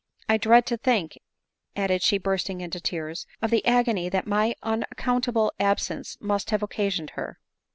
I dread to think," added she bursting into tears, " of the agony that my unaccountable absence must have occasioned her."